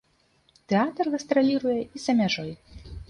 Тэатр гастраліруе і за мяжой.